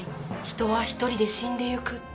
「人は独りで死んでいく」。